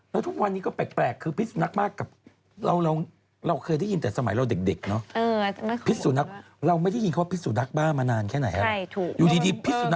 เราไม่ได้ยินว่าพิสุรรักษณ์บ้ามานานแค่ไหน